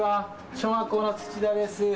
小学校の土田です。